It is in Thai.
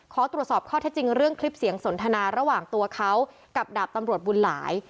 ขอตรวจสอบข้อเท็จจริงเรื่องคลิปเสียงสนทนาระหว่างตัวเขากับดาบตำรวจบุญหลาย